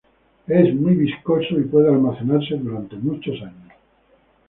Es muy viscoso y puede almacenarse durante muchos años.